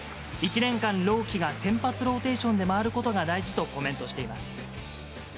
１年間、朗希が先発ローテーションで回ることが大事とコメントしています。